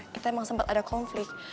kita emang sempet ada konflik